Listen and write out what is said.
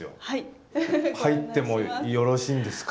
入ってもよろしいんですか？